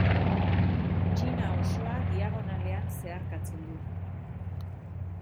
Txina osoa diagonalean zeharkatzen du.